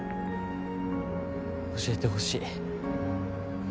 教えてほしい。